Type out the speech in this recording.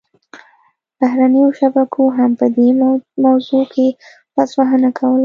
بهرنیو شبکو هم په دې موضوع کې لاسوهنه کوله